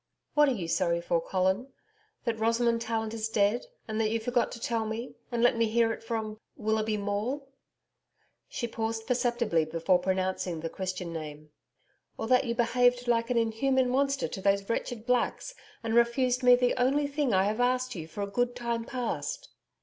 'What are you sorry for, Colin that Rosamond Tallant is dead, and that you forgot to tell me, and let me hear it from Willoughby Maule?' She paused perceptibly before pronouncing the christian name, 'Or that you behaved like an inhuman monster to those wretched Blacks, and refused me the only thing I have asked you for a good time past?'